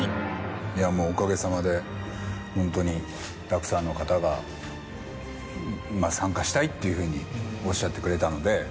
いやもうおかげさまでホントにたくさんの方が参加したいっていうふうにおっしゃってくれたので。